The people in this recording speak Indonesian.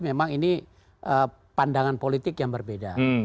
memang ini pandangan politik yang berbeda